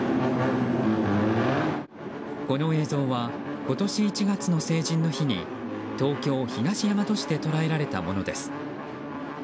この映像は今年１月の成人の日に東京・東大和市で捉えられたものです。